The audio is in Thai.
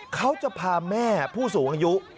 เขาจะพาแม่ผู้สูงอายุ